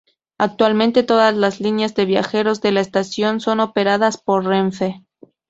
Actualmente todas las líneas de viajeros de la estación son operadas por Renfe.